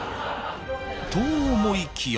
と思いきや